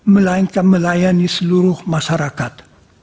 melainkan melayani seluruh masyarakat